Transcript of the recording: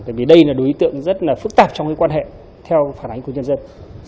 bởi vì đây là đối tượng rất là phức tạp trong quan hệ theo phản ánh của nhân dân